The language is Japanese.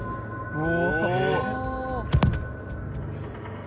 うわ。